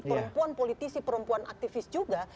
perempuan politisi perempuan aktivis juga